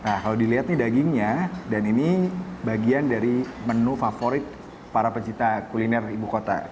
nah kalau dilihat nih dagingnya dan ini bagian dari menu favorit para pencipta kuliner ibu kota